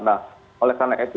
nah oleh karena itu